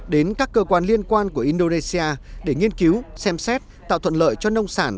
đến các cơ quan liên quan của indonesia để nghiên cứu xem xét tạo thuận lợi cho nông sản